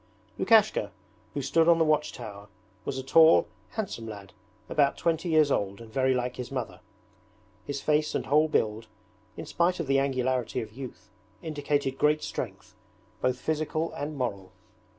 Lukashka, who stood on the watch tower, was a tall handsome lad about twenty years old and very like his mother. His face and whole build, in spite of the angularity of youth, indicated great strength, both physical and moral.